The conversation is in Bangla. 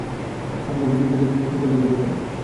আপনার অভ্যর্থনা দেখে তো কলজে কেঁপে গেল!